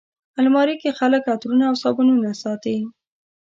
الماري کې خلک عطرونه او صابونونه ساتي